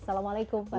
assalamualaikum pak kiai